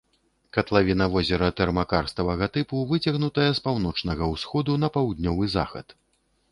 Катлавіна возера тэрмакарставага тыпу выцягнутая з паўночнага ўсходу на паўднёвы захад.